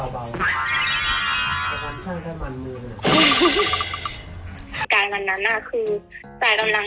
เราบ้านที่ั้ง